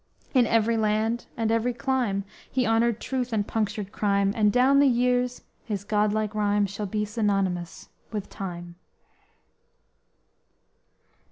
In every land and every clime, He honored truth and punctured crime, And down the years his god like rhyme Shall be synonymous with Time!